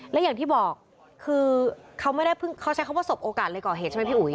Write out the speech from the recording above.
และอย่างที่บอกคือเขาไม่ได้เพิ่งเขาใช้คำว่าสบโอกาสเลยก่อเหตุใช่ไหมพี่อุ๋ย